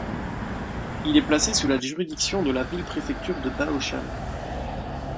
Il est placé sous la juridiction de la ville-préfecture de Baoshan.